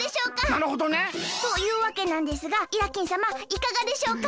なるほどね。というわけなんですがイラッキンさまいかがでしょうか？